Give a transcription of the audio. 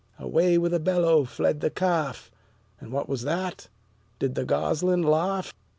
Away with a bellow fled the calf; And what was that? Did the gosling laugh?